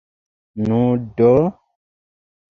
Nu, do?